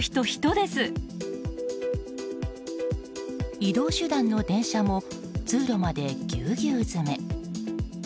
移動手段の電車も通路までぎゅうぎゅう詰め。